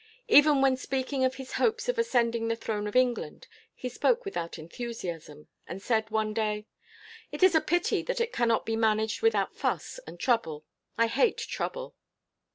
Even when speaking of his hopes of ascending the throne of England, he spoke without enthusiasm, and said one day: "It is a pity that it cannot be managed without fuss and trouble. I hate trouble."